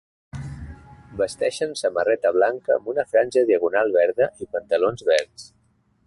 Vesteixen samarreta blanca amb una franja diagonal verda i pantalons verds.